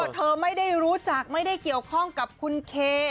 เธอไม่ได้รู้จักไม่ได้เกี่ยวข้องกับคุณเค